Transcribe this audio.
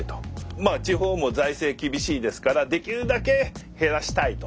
まあ地方も財政厳しいですからできるだけ減らしたいと。